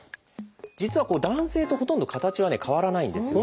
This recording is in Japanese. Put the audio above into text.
実は男性とほとんど形は変わらないんですよね。